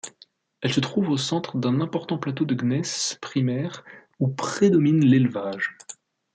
Elle se trouve au centre d'un important plateau de gneiss primaire où prédomine l'élevage.